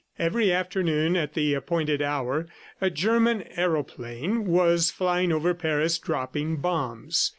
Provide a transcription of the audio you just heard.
Every afternoon at the appointed hour, a German aeroplane was flying over Paris dropping bombs.